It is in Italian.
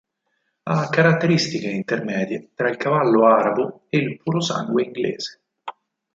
Ha caratteristiche intermedie tra il cavallo Arabo ed il Purosangue inglese.